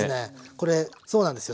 これそうなんですよ。